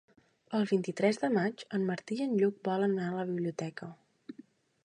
El vint-i-tres de maig en Martí i en Lluc volen anar a la biblioteca.